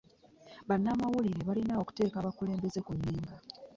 "Bannamawulire balina okuteeka abakulembeze ku nninga.